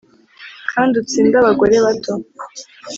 kandi utsinde abagore bato.